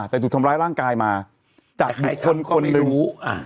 แต่ถูกทำร้ายร่างกายมาแต่ใครทำก็ไม่รู้อ่า